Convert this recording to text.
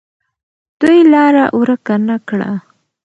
دوی لاره ورکه نه کړه.